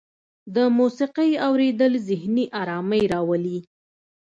د موسیقۍ اوریدل ذهني ارامۍ راولي.